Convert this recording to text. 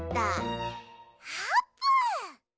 あーぷん！